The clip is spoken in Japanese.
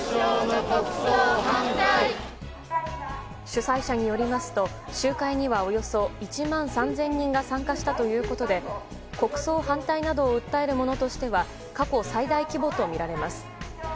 主催者によりますと集会にはおよそ１万３０００人が参加したということで国葬反対などを訴えるものとしては過去最大規模とみられます。